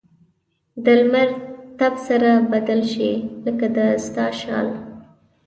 د لمر تپ سره بدل شي؛ لکه د ستا شال.